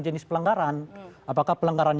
jenis pelenggaran apakah pelenggaran